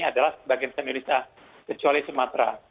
adalah sebagian indonesia kecuali sumatera